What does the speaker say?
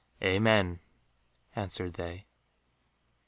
"Amen," answered they.